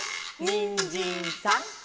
「にんじんさん」